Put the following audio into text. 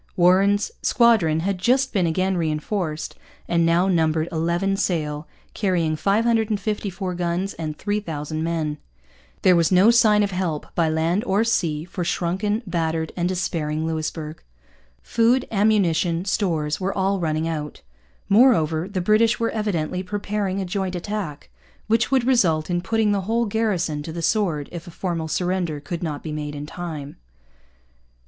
Warren's squadron had just been again reinforced, and now numbered eleven sail, carrying 554 guns and 3,000 men. There was no sign of help, by land or sea, for shrunken, battered, and despairing Louisbourg. Food, ammunition, stores were all running out. Moreover, the British were evidently preparing a joint attack, which would result in putting the whole garrison to the sword if a formal surrender should not be made in time.